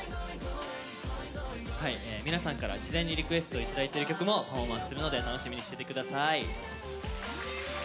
皆さんから事前にリクエストいただいてる曲もパフォーマンスするので楽しみにしててください。